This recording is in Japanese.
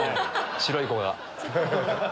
白い子が。